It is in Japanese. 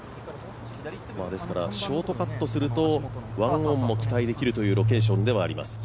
ですからショートカットすると、１オンも期待できるロケーションではあります。